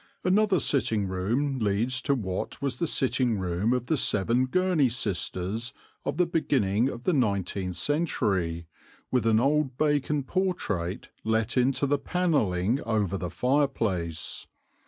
Another sitting room leads to what was the sitting room of the seven Gurney sisters of the beginning of the nineteenth century, with an old Bacon portrait let into the panelling over the fireplace.